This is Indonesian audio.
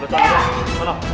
lo tahan dulu